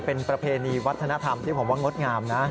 เป็นประเพณีวัฒนธรรมที่ผมว่างดงามนะ